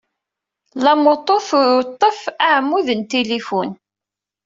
Lamoto tutef aɛmud n tilifun.